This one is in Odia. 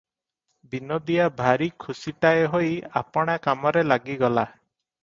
ବିନୋଦିଆ ଭାରି ଖୁସିଟାଏ ହୋଇ ଆପଣା କାମରେ ଲାଗିଗଲା ।